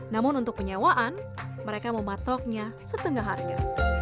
namun untuk penyewaan mereka mematoknya setengah harga